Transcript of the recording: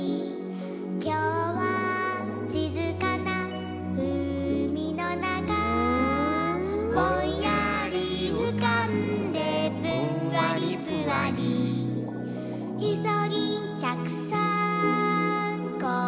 「きょうはしずかなうみのなか」「ぼんやりうかんでぷんわりぷわり」「いそぎんちゃくさんこんにちは！」